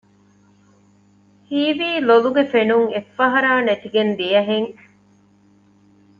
ހީވީ ލޮލުގެ ފެނުން އެއްފަހަރާ ނެތިގެން ދިޔަހެން